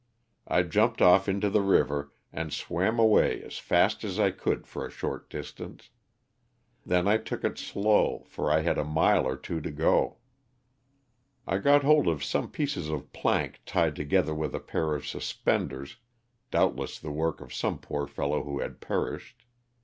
I jumped off into the river, and swam away as fast as I could for a short distance. Then I took it slow, for I had a mile or two to go. I got hold of some pieces of plank tied together with a pair of suspenders (doubtless the work of some poor fellow who had perished).